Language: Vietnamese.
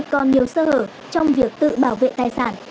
còn nhiều sơ hở trong việc tự bảo vệ tài sản